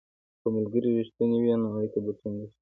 که ملګري رښتیني وي، نو اړیکه به ټینګه شي.